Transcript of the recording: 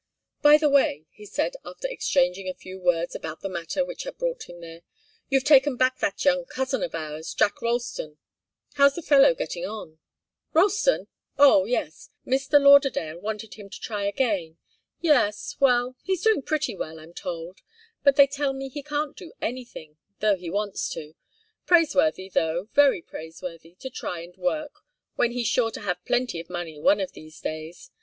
"By the way," he said, after exchanging a few words about the matter which had brought him there, "you've taken back that young cousin of ours, Jack Ralston. How's the fellow getting on?" "Ralston? Oh, yes Mr. Lauderdale wanted him to try again yes well, he's doing pretty well, I'm told. But they tell me he can't do anything, though he wants to. Praiseworthy, though, very praiseworthy, to try and work, when he's sure to have plenty of money one of these days.